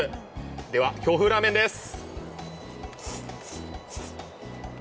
では京風ラーメンです。